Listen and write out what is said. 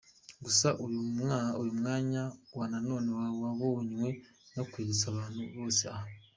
Gusa uyu mwanya wa none mboneye ho kwibutsa Abantu bose aho